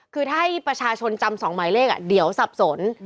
คือถ้าให้ประชาชนจำ๒หมายเลขเดี๋ยวสับสน